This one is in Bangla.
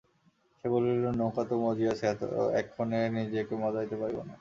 সে বলিল, নৌকা তো মজিয়াছে, এক্ষণে নিজেকে মজাইতে পারিব না।